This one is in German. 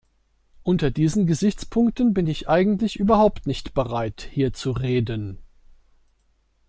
Unter diesen Gesichtspunkten bin ich eigentlich überhaupt nicht bereit, hier zu reden.